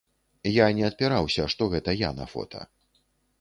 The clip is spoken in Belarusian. Я не адпіраўся, што гэта я на фота.